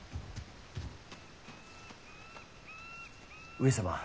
上様